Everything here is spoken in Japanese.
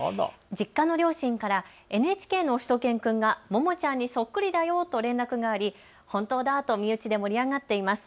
実家の両親からＮＨＫのしゅと犬くんがももちゃんにそっくりだよと連絡があり本当だと身内で盛り上がっています。